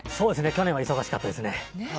去年は忙しかったですね。